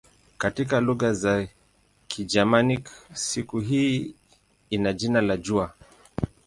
Katika lugha za Kigermanik siku hii ina jina la "jua".